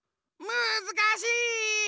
むずかしい。